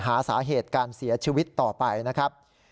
หาสาเหตุการเสียชีวิตต่อไปนะครับ